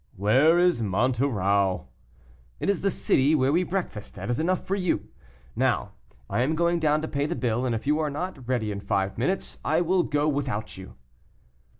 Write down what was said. "Where is Monterau?" "It is the city where we breakfast, that is enough for you. Now, I am going down to pay the bill, and if you are not ready in five minutes, I go without you."